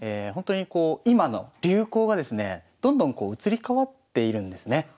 ほんとにこう今の流行がですねどんどんこう移り変わっているんですね。